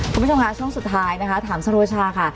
คุณผู้ชมค่ะช่วงสุดท้ายนะคะถามสโรชาค่ะ